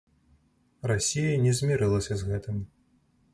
Расія не змірылася з гэтым.